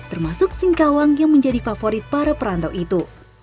termasuk singkawang yang menjadi favorit para perantau itu